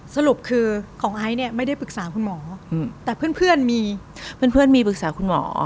สรุปคือของไอ้เนี้ยไม่ได้ปรึกษาคุณหมออืมแต่เพื่อนเพื่อนมีเพื่อนเพื่อนมีปรึกษาคุณหมอออ